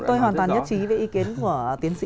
tôi hoàn toàn nhất trí với ý kiến của tiến sĩ